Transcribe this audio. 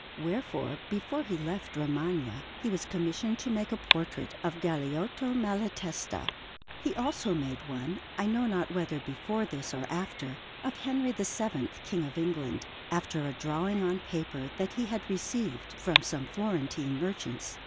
Wherefore, before he left Romagna, he was commissioned to make a portrait of Galeotto Malatesta. He also made one, I know not whether before this or after, of Henry VII, King of England, after a drawing on paper that he had received from some Florentine merchants.